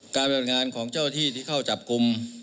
การบรรยายงานของเจ้าหน้าที่เข้าจับกลุ่ม